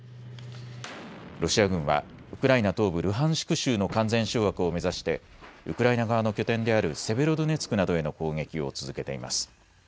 ロシア軍はウクライナ東部ルハンシク州の完全掌握を目指してウクライナ側の拠点であるセベロドネツクなどへの攻撃を続けています。